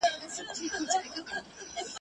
موږ پخپله دی ښکاري ته پر ورکړی !.